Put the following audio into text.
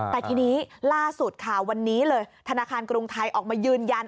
แต่ทีนี้ล่าสุดค่ะวันนี้เลยธนาคารกรุงไทยออกมายืนยัน